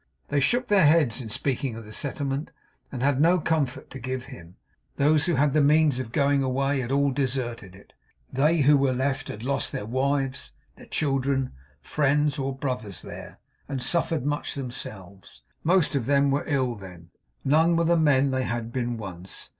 They shook their heads in speaking of the settlement, and had no comfort to give him. Those who had the means of going away had all deserted it. They who were left had lost their wives, their children, friends, or brothers there, and suffered much themselves. Most of them were ill then; none were the men they had been once.